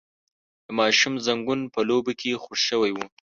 د ماشوم زنګون په لوبو کې خوږ شوی و.